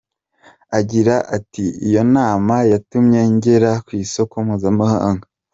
Agira ati “Iyo nama yatumye ngera ku isoko mpuzamahanga.